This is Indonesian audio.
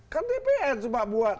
kan dpr juga buat